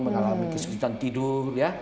menalami kesulitan tidur